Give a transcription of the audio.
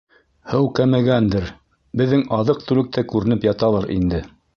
Һыу кәмегәндер, беҙҙең аҙыҡ-түлек тә күренеп яталыр инде.